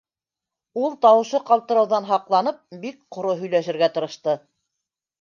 Ул, тауышы ҡалтырауҙан һаҡланып, бик ҡоро һөйләшергә тырышты.